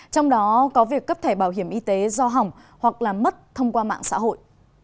trong đó có việc cấp thẻ bảo hiểm y tế do hỏng hoặc làm mất thông qua mạng xã hội